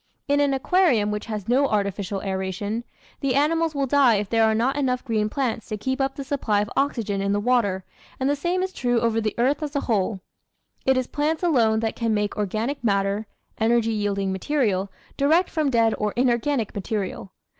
In an aquarium which has no artificial aeration, the animals will die if there are not enough green plants to keep up the supply of oxygen in the water, and the same is true over the earth as a whole. It is plants alone that can make organic matter (energy yielding material) direct from dead or inorganic material.